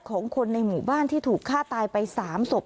ของคนในหมู่บ้านที่ถูกฆ่าตายไป๓ศพ